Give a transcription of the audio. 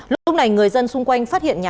lúc này người dân xung quanh phát hiện nhìn